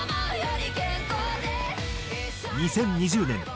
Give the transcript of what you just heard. ２０２０年